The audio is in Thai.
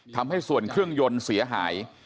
ทำให้ส่วนเครื่องยนต์เสียหาย